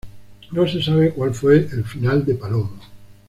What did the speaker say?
No se sabe cuál fue el final de Palomo.